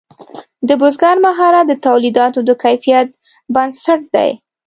د بزګر مهارت د تولیداتو د کیفیت بنسټ دی.